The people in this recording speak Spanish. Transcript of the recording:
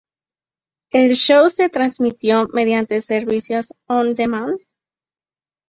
El show se transmitió mediante servicio On-Demand.